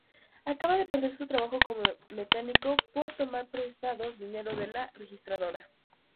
Acaba de perder su trabajo como mecánico por "tomar prestado dinero de la registradora".